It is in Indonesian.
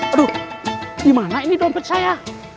aduh gimana ini dompet saya